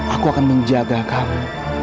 aku akan menjaga kamu